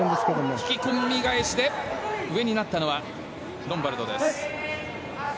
引き込み返しで上になったのはロンバルドです。